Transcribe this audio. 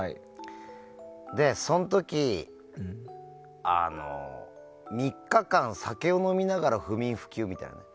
その時、３日間酒を飲みながら不眠不休みたいな。